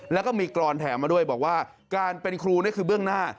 แล้วก็มีกรอนแถมมาด้วยบอกว่าการเป็นครูนี่คือเบื้องหน้า